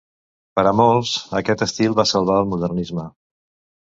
Per a molts, aquest estil va salvar el modernisme.